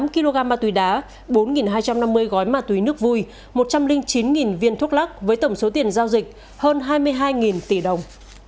tám kg ma túy đá bốn hai trăm năm mươi gói ma túy nước vui một trăm linh chín viên thuốc lắc với tổng số tiền giao dịch hơn hai mươi hai tỷ đồng